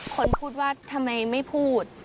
คนพูดว่าทำไมไม่พูด